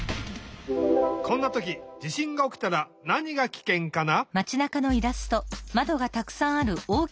こんなとき地しんがおきたらなにがキケンかな？